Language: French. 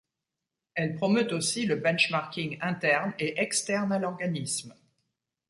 Elle promeut aussi le benchmarking interne et externe à l'organisme.